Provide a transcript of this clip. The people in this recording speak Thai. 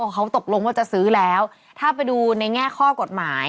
เขาตกลงว่าจะซื้อแล้วถ้าไปดูในแง่ข้อกฎหมาย